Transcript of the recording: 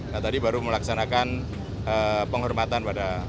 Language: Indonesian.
nah tadi baru melaksanakan penghormatan pada